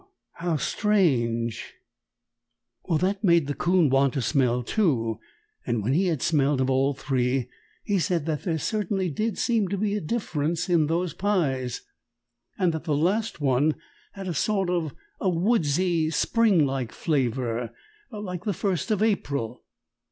How strange!" That made the 'Coon want to smell, too, and when he had smelled of all three he said that there certainly did seem to be a difference in those pies, and that the last one had a sort of a woodsy spring like flavor, like the first of April.